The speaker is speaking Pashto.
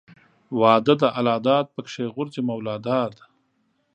واده د الله داد پکښې غورځي مولاداد.